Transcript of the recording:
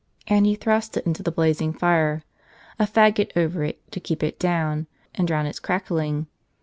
And he thrust it into the blazing fire. a faggot over it to keep it down, and drown its crackling.